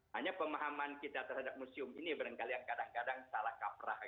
hanya pemahaman kita terhadap museum ini barangkali yang kadang kadang salah kaprah